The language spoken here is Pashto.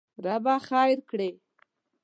ربه خېر کړې!